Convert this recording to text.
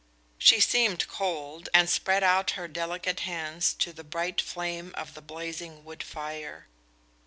She seemed cold, and spread out her delicate hands to the bright flame of the blazing wood fire.